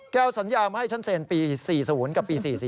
แกเอาสัญญามาให้ฉันเสนปี๔๐กับปี๔๔